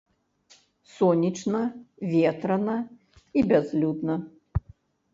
Сонечна, ветрана і бязлюдна.